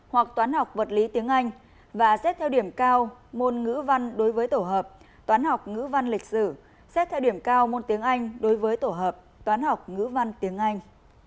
hoặc toán học vật lý tiếng anh và xét theo điểm cao môn ngữ văn đối với tổ hợp toán học ngữ văn lịch sử xét theo điểm cao môn tiếng anh đối với tổ hợp toán học ngữ văn tiếng anh